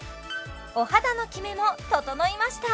お肌のきめも整いました